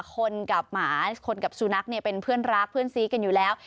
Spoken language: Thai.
คนกับหมาคนกับสุนัขเนี่ยเป็นเพื่อนรักเพื่อนซีกันอยู่แล้ว